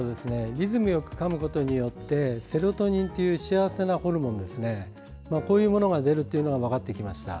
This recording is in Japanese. リズムよくかむことでセロトニンという幸せホルモンが出るというのが分かってきました。